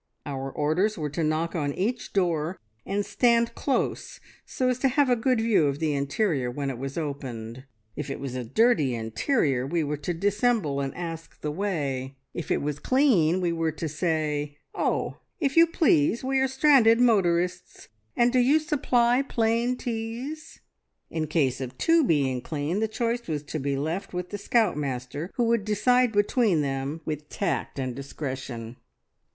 Our orders were to knock on each door and stand close so as to have a good view of the interior when it was opened. If it was a dirty interior we were to dissemble, and ask the way; if it was clean, we were to say, `Oh, if you please, we are stranded motorists, and do you supply plain teas?' In case of two being clean, the choice was to be left with the scout master, who would decide between them with tact and discretion.